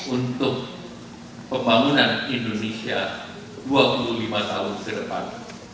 untuk pembangunan indonesia dua puluh lima tahun ke depan